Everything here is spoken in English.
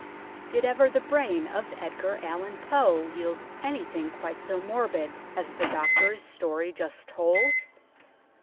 Did ever the brain of Edgar Allan Poe yield anything quite so morbid as the doctor's story just told